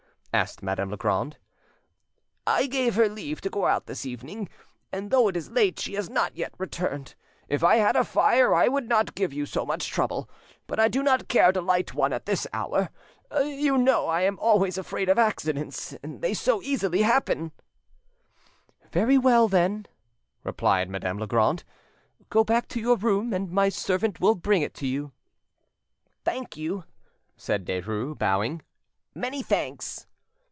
asked Madame Legrand. "I gave her leave to go out this evening, and though it is late she has not yet returned. If I had a fire, I would not give you so much trouble, but I do not care to light one at this hour. You know I am always afraid of accidents, and they so easily happen!" "Very well, then," replied Madame Legrand; "go back to your room, and my servant will bring it to you." "Thank you," said Derues, bowing,—"many thanks."